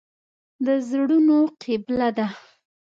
د زړونو قبله ده.